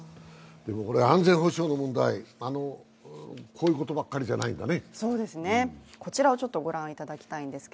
安全保障の問題、こういうことばかりじゃないんだね。